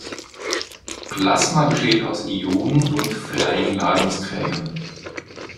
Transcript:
Plasma besteht aus Ionen und freien Ladungsträgern.